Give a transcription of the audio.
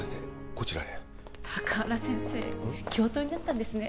こちらへ高原先生教頭になったんですね